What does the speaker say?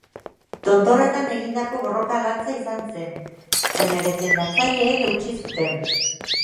Tontorretan egindako borroka latza izan zen, baina defendatzaileek eutsi zuten.